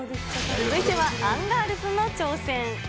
続いてはアンガールズの挑戦。